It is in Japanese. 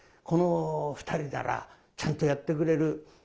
「この２人ならちゃんとやってくれる。